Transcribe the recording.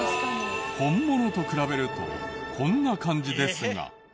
本物と比べるとこんな感じですが。